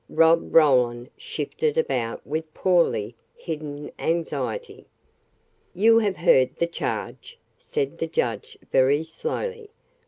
Rob Roland shifted about with poorly hidden anxiety. "You have heard the charge," said the judge very slowly.